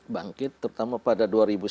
bangkit terutama pada dua ribu sembilan belas